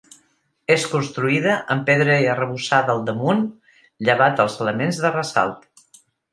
És construïda amb pedra i arrebossada al damunt llevat els elements de ressalt.